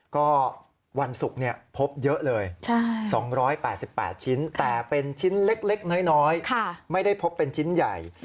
ก็วันศุกร์พบเยอะเลย๒๘๘ชิ้นแต่เป็นชิ้นเล็กน้อยไม่ได้พบเป็นชิ้นใหญ่